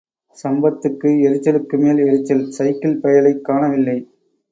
சம்பந்தத்துக்கு எரிச்சலுக்கு மேல் எரிச்சல், சைக்கிள் பயலைக் காணவில்லை.